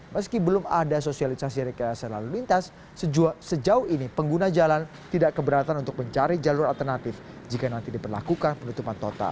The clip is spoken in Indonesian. meski belum ada sosialisasi rekayasa lalu lintas sejauh ini pengguna jalan tidak keberatan untuk mencari jalur alternatif jika nanti diperlakukan penutupan total